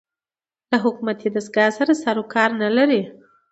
له حکومتي دستګاه سره سر و کار نه لري